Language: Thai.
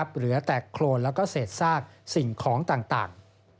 เหลือแตกโครนและเศษทรากสิ่งของต่าง